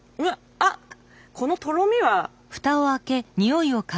あっこのとろみは。